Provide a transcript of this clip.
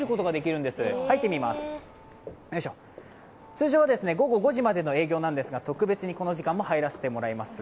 通常は午後５時までの営業なんですが、特別にこの時間も入らせてもらいます。